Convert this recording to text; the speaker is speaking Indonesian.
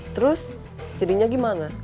terus jadinya gimana